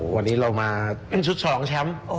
วันนี้เรามาเป็นชุด๒แชมป์